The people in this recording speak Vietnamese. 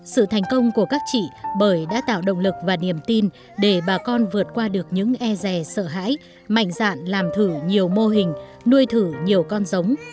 sự thành công của các chị bởi đã tạo động lực và niềm tin để bà con vượt qua được những e rè sợ hãi mạnh dạn làm thử nhiều mô hình nuôi thử nhiều con giống